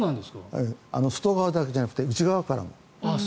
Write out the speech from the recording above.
外側だけじゃなくて内側からも。